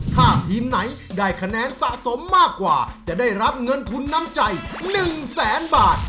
ถ้าทีมไหนได้คะแนนสะสมมากกว่าจะได้รับเงินทุนน้ำใจ๑แสนบาท